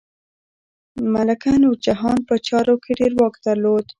ملکه نورجهان په چارو کې ډیر واک درلود.